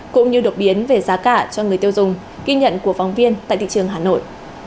cũng như đột biến về giá cả cho người tiêu dùng ghi nhận của phóng viên tại thị trường hà nội